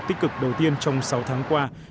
tích cực đầu tiên trong sáu tháng qua